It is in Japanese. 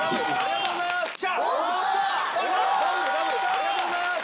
ありがとうございます。